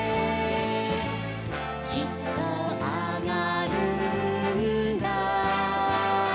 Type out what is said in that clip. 「きっとあがるんだ」